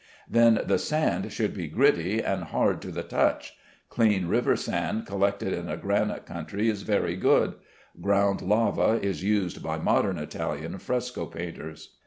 Then the sand should be gritty and hard to the touch. Clean river sand collected in a granite country is very good; ground lava is used by modern Italian fresco painters.